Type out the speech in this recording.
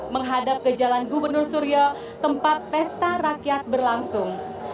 menghadap ke jalan gubernur suryo tempat pesta rakyat berlangsung